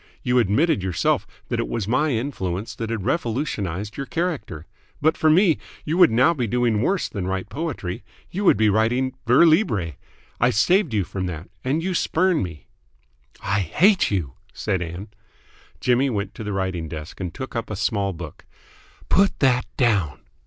You admitted yourself that it was my influence that had revolutionised your character. But for me, you would now be doing worse than write poetry. You would be writing vers libre. I saved you from that. And you spurn me!" "I hate you!" said Ann. Jimmy went to the writing desk and took up a small book. "Put that down!"